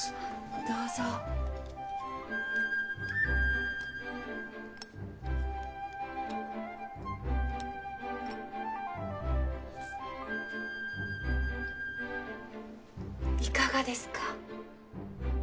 どうぞ・いかがですか？